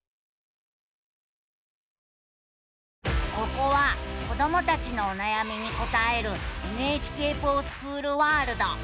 ここは子どもたちのおなやみに答える「ＮＨＫｆｏｒＳｃｈｏｏｌワールド」。